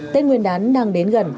tên nguyên đán đang đến gần